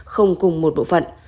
không cùng một bộ phận